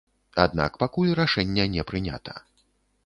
Аднак пакуль рашэння не прынята.